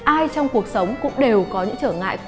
ai trong cuộc sống cũng đều có những trở ngại